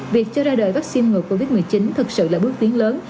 việc cho ra đời vaccine ngừa covid một mươi chín thật sự là bước tiến lớn